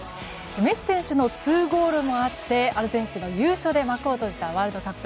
メッシ選手の２ゴールもあってアルゼンチンの優勝で幕を閉じたワールドカップ。